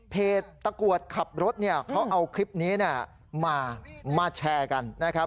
เพจตะกรวจขับรถเขาเอาคลิปนี้มาแชร์กันนะครับ